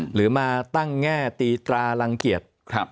หรือมาตั้งแง่ตีตรารังเกียจ